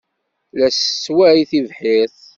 La tessway tibḥirt.